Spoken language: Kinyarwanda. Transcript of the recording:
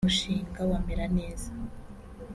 “ Mu mushinga wa Meraneza